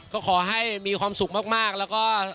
ก็ขอให้มีความสุขมากแล้วก็